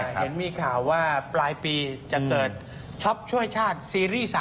เห็นมีข่าวว่าปลายปีจะเกิดช็อปช่วยชาติซีรีส์๓